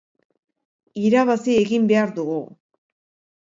Irabazi egin behar dugu.